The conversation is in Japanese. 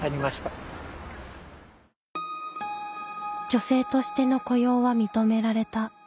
女性としての雇用は認められた。